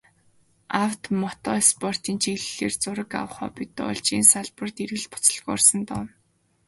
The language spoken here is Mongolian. Авто, мото спортын чиглэлээр зураг авах хоббитой болж, энэ салбарт эргэлт буцалтгүй орсон доо.